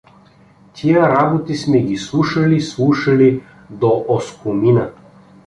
Тия работи сме ги слушали, слушали до оскомина!